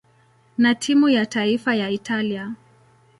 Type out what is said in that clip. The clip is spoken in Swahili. na timu ya taifa ya Italia.